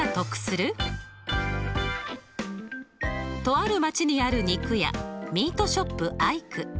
とある町にある肉屋ミートショップアイク。